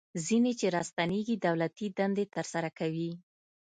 ځینې چې راستنیږي دولتي دندې ترسره کوي.